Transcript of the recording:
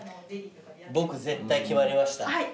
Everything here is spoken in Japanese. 僕絶対決まりました。